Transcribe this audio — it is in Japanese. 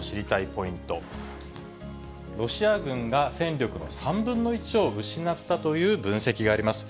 ポイント、ロシア軍が戦力の３分の１を失ったという分析があります。